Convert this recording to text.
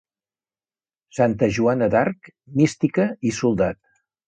Santa Joana d'Arc, mística i soldat.